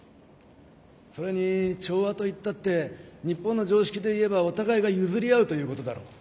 それに調和といったって日本の常識でいえばお互いが譲り合うということだろう。